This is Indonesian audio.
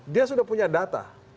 dia sudah punya data